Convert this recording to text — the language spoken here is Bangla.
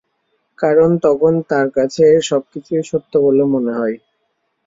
কারণ, তখন তার কাছে এর সবকিছুই সত্য বলে মনে হয়।